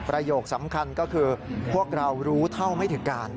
โยคสำคัญก็คือพวกเรารู้เท่าไม่ถึงการ